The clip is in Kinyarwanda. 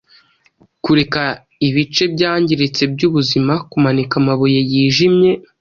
Kureka ibice byangiritse byubuzima Kumanika amabuye yijimye